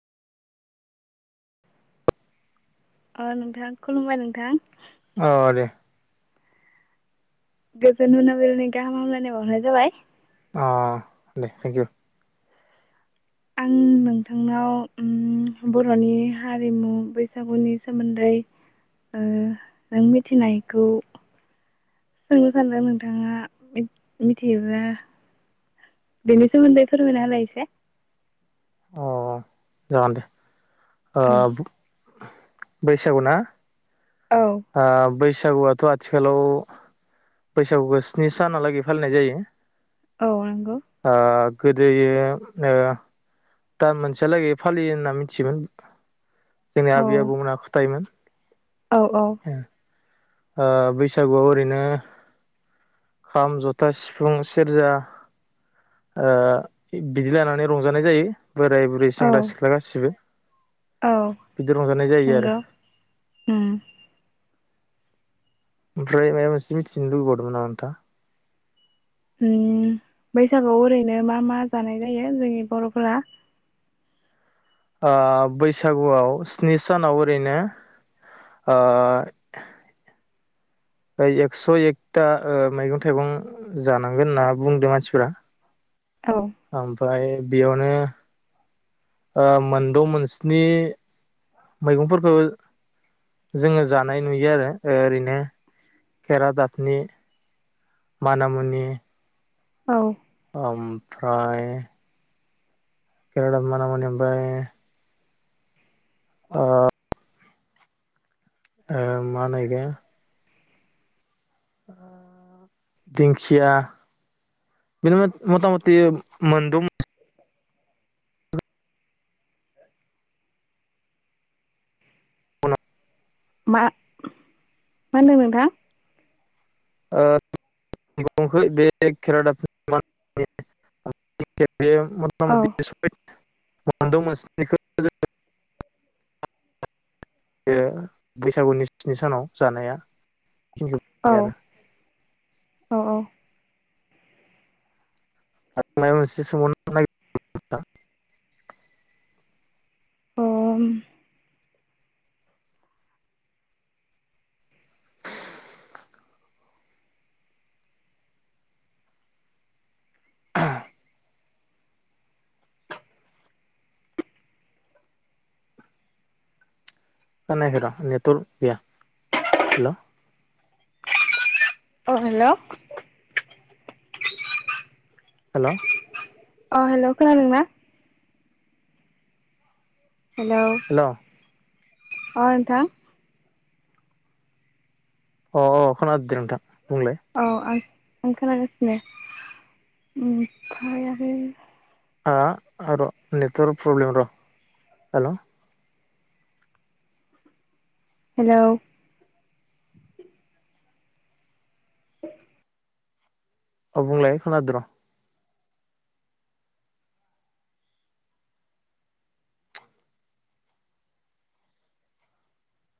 ओ नोंथां खुलुमबाय नोंथां औ दे गोजोन मोनाबिलायनि गाहाम हामलायनाय बावनाय जाबाय अ दे थेंक इउ आं नोंथांनाव उम बर'नि हारिमु बैसागुनि सोमोन्दै ओ नों मिथिनायखौ सोंनो सानदों नोंथाङा मिथियोब्ला बेनि सोमोन्दै फोरमायना होलाय एसे अ जागोन दे ओ औ बैसागु ना औ ओ बैस बैसागुआथ आथिखालाव बैसागुखौ स्नि सानहालागै फालिनाय जायो औ नंगौ ओ गोदोयो ओ दान मोनसेयालागै फालियो होनना मिथियोमोन जोंनि औ आबै आबौमोनहा खोथायोमोन औ औ ओ बैसागुआव ओरैनो खाम जथा सिफुं सेरजा बिदि लानानै रंजानाय जायो बोराय बुरै औ सेंग्रा सिख्ला गासिबो औ बिदि रंजानाय जायो आरो नंगौ ओमफ्राय माबा ‌मोनसे मिथिनो लुगैबावदोंमोंन नामा नोंथां उम बैसागुआव ओरैनो मा मा जानाय जायो जोंनि बर'फोरा ओ बैसागुआव स्नि सानाव ओरैनो ओ एकस' एकथा ओ मैगं थाइगं जानांगोन होनना बुंदों मानसिफ्रा औ ओमफ्राय बेयावनो ओ मोनद' मोनस्नि मैगंफोरखौ जोङो जानाय नुयो आरो ओरैनो खेरादाफिनि माना मुनि औ ओमफ्राय ओ माना मुनि ओमफ्राय ओ ओ मा होनो इखो दिंखिया बिनो मथा मथि मोन द' मा मा होनदों नोंथां? ओ [unintelligible] बे मथा औ मथि [unintelligible] मोनद' मोनस्निखौ [unintelligible] बे बैसागुनि स्नि सानाव जानाया औ [unintelligible] औ औ आरो माबा मोनसे सोंबावनो [unintelligible] अ खोनायखै र' नेटवर्क गैया हेल' अ हेल' हेल' अ हेल' खोनादों ना? हेल' अ नोंथां अ अ खोनादों दे नोंथां बुंलाय औ आङो आं खोनागासिनो ओमफाय आरो ह आरो' नेटवारक प्रब्लेम र' हेल' हेल' [inaudible] औ‌ बुंलाय खोनादो र'